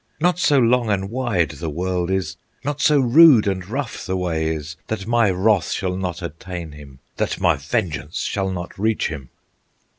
"Not so long and wide the world is, Not so rude and rough the way is, That my wrath shall not attain him, That my vengeance shall not reach him!"